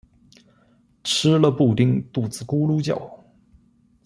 吃了布丁肚子咕噜叫